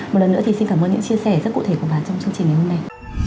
một lần nữa thì xin cảm ơn những chia sẻ rất cụ thể của bà trong chương trình ngày hôm nay